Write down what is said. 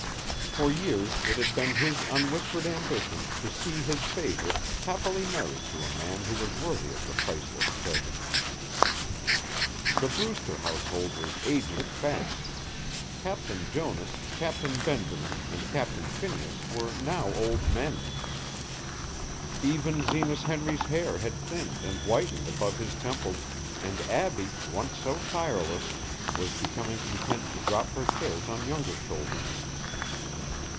For years it had been his unwhispered ambition to see his favorite happily married to a man who was worthy of the priceless treasure. The Brewster household was aging fast. Captain Jonas, Captain Benjamin, and Captain Phineas were now old men; even Zenas Henry's hair had thinned and whitened above his temples, and Abbie, once so tireless, was becoming content to drop her cares on younger shoulders.